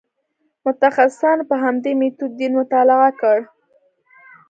متخصصانو په همدې میتود دین مطالعه کړ.